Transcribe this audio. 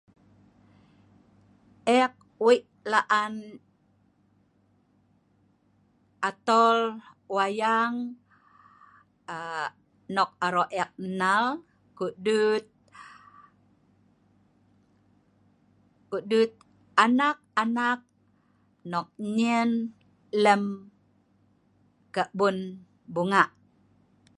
Eek wei laan atool wayang aa.. nok aroq eek nnal ko’ duet…ko’ duet anak-anak nok nyien lem kebin bunga’